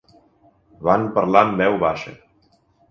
Van parlar en veu baixa.